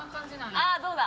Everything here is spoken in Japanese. ああどうだ？